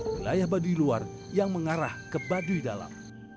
wilayah baduy luar yang mengarah ke baduy dalam